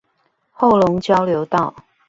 後龍交流道